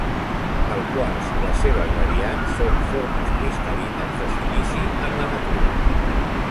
El quars i les seves variants són formes cristal·lines de silici en la natura.